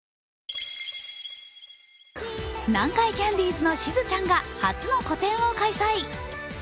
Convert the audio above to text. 南海キャンディーズのしずちゃんが初の個展を開催。